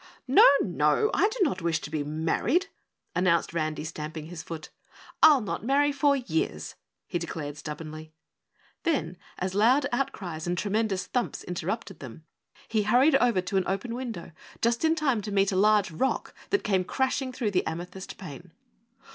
"No! No! I do not wish to be married," announced Randy, stamping his foot. "I'll not marry for years," he declared stubbornly. Then, as loud outcries and tremendous thumps interrupted them, he hurried over to an open window just in time to meet a large rock that came crashing through the amethyst pane.